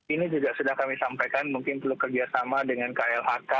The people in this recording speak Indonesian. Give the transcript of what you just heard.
ini juga sudah kami sampaikan mungkin perlu kerjasama dengan klhk